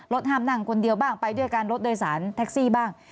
ห้ามนั่งคนเดียวบ้างไปด้วยการรถโดยสารแท็กซี่บ้าง